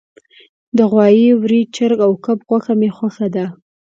د غوایی، وری، چرګ او کب غوښه می خوښه ده